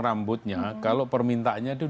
rambutnya kalau permintanya itu